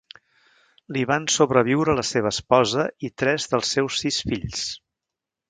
Li van sobreviure la seva esposa i tres dels seus sis fills.